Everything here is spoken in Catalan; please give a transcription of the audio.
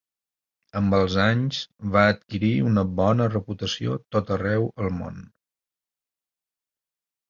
Amb els anys, va adquirir una bona reputació tot arreu el món.